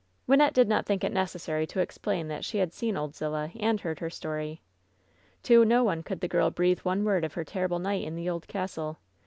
Wynnette did not think it necessary to explain that she had seen Old Zillah and heard her story. To no one could the girl breathe one word of her ter rible night in the old castle.